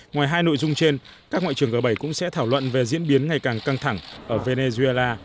ngoài hai nội dung trên các ngoại trưởng g bảy cũng sẽ thảo luận về diễn biến ngày càng căng thẳng ở venezuela